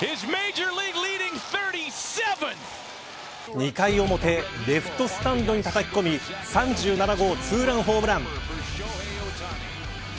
２回表レフトスタンドにたたき込み３７号ツーランホームラン。